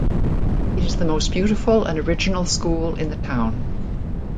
It is the most beautiful and original school in the town.